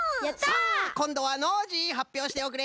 こんどはノージーはっぴょうしておくれ。